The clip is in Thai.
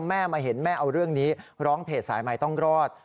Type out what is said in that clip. แม่มาเห็นแม่เอาเรื่องนี้ร้องเพจสายใหม่ต้องรอด